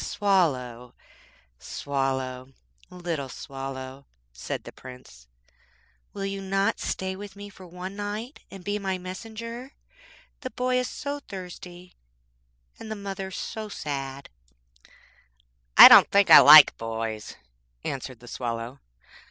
'Swallow, Swallow, little Swallow,' said the Prince,'will you not stay with me for one night, and be my messenger? The boy is so thirsty, and the mother so sad. 'I don't think I like boys,' answered the Swallow.